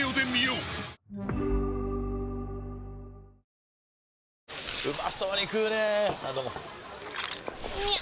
うまそうに食うねぇあどうもみゃう！！